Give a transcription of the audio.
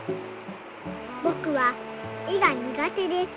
「ぼくは絵が苦手です。